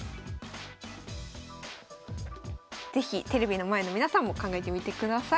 是非テレビの前の皆さんも考えてみてください。